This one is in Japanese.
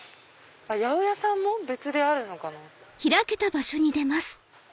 八百屋さんも⁉別であるのかな。